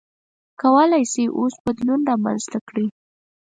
کولای شئ اوس بدلون رامنځته کړئ.